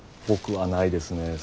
僕はないですね